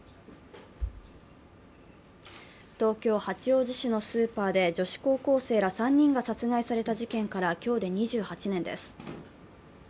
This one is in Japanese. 東京・八王子市のスーパーで女子高校生ら３人が殺害された事件から今日で２８年です。